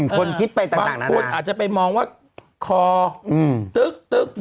คนคิดไปต่างนั้นบางคนอาจจะไปมองว่าคอตึ๊กยอยักษ์